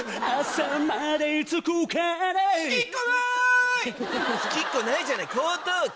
着きっこないじゃない江東区！